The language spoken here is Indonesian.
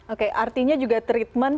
oke artinya juga treatment